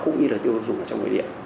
cũng như là tiêu dùng ở trong nội địa